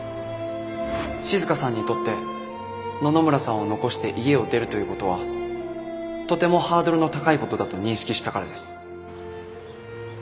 静さんにとって野々村さんを残して家を出るということはとてもハードルの高いことだと認識したからです。